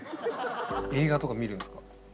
映画とか見るんですか？